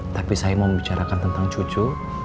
tapi saya membicarakan tentang cucu